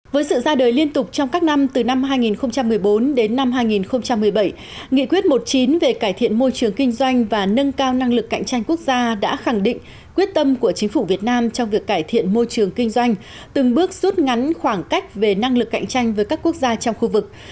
với sự ra đời liên tục trong các năm từ năm hai nghìn một mươi bốn đến năm hai nghìn một mươi bảy nghị quyết một mươi chín về cải thiện môi trường kinh doanh và nâng cao năng lực cạnh tranh quốc gia đã khẳng định quyết tâm của chính phủ việt nam trong việc cải thiện môi trường kinh doanh từng bước rút ngắn khoảng cách về năng lực cạnh tranh với các quốc gia trong khu vực